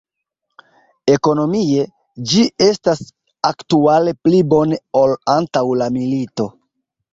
Ekonomie, ĝi estas aktuale pli bone ol antaŭ la milito.